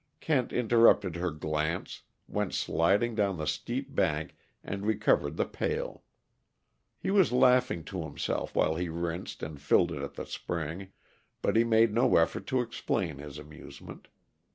Kent interpreted her glance, went sliding down the steep bank and recovered the pail; he was laughing to himself while he rinsed and filled it at the spring, but he made no effort to explain his amusement.